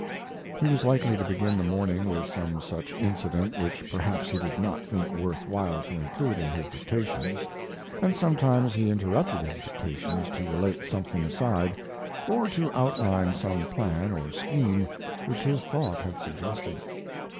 He was likely to begin the morning with some such incident which perhaps he did not think worth while to include in his dictations, and sometimes he interrupted his dictations to relate something aside, or to outline some plan or scheme which his thought had suggested.